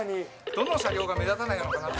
どの車両が目立たないのかな